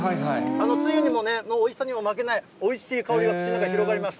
つゆにもね、おいしさにも負けない、おいしい香りが口の中に広がります。